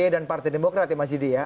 dan partai demokrat yang masih di sini ya